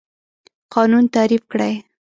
قانون تعریف کړئ.